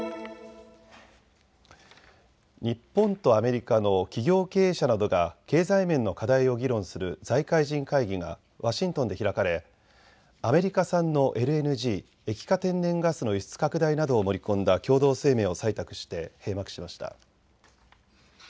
日本とアメリカの企業経営者などが経済面の課題を議論する財界人会議がワシントンで開かれアメリカ産のＬＮＧ・液化天然ガスの輸出拡大などを盛り込んだ共同声明を採択して閉幕しました。